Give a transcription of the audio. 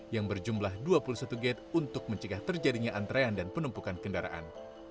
yang berjumlah dua puluh satu gate untuk mencegah terjadinya antrean dan penumpukan kendaraan